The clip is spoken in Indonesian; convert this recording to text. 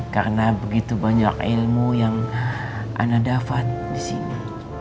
karena begitu banyak ilmu yang anda dapat disini